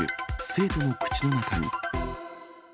生徒の口の中に。